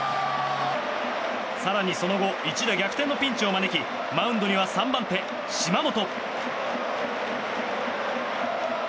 更にその後一打逆転のピンチを招きマウンドには３番手、島本。